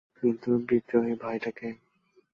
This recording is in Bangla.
কিন্তু এই বিদ্রোহী ভাইটা কে?